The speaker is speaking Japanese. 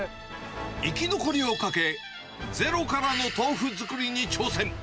生き残りをかけ、ゼロからの豆腐作りに挑戦。